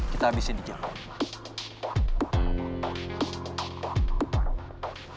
kita habisnya di jalan